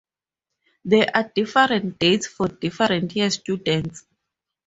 There are different dates for different year students.